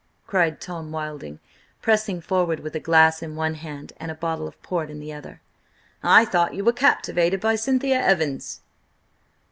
cried Tom Wilding pressing forward with a glass in one hand and a bottle of port in the other. "I thought you were captivated by Cynthia Evans?"